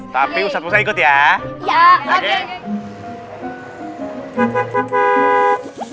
tapi usah ikut ya ya